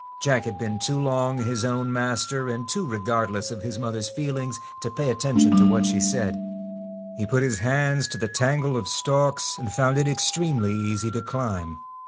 Jack had been too long his own master, and too 3 T AN ACK regardless of his mother's feelings to pay attention D THE to what she said. He put his hands to the tangle of stalks and found it extremely easy to climb.